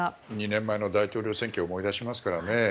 ２年前の大統領選挙を思い出しますからね。